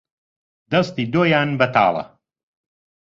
دەستی دۆیان بەتاڵە